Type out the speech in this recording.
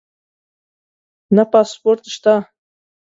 نه پاسپورټ شته